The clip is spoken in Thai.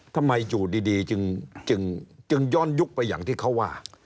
ทำไมอยู่ดีจึงย้อนยุคไปอย่างที่เขาว่า